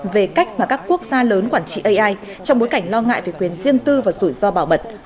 về cách mà các quốc gia lớn quản trị ai trong bối cảnh lo ngại về quyền riêng tư và rủi ro bảo mật